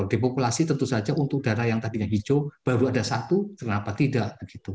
depopulasi tentu saja untuk darah yang tadinya hijau baru ada satu kenapa tidak